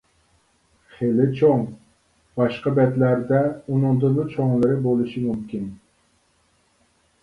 خېلى چوڭ. باشقا بەتلەردە ئۇنىڭدىنمۇ چوڭلىرى بولۇشى مۇمكىن.